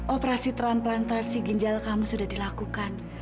operasi transplantasi ginjal kamu sudah dilakukan